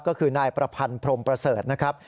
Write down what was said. ก็คือนายประพันธ์พรมประเสริฐนะครับ